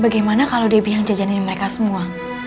bagaimana kalau debbie yang jajanin mereka semua